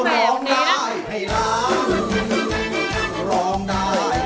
แบบนี้นะ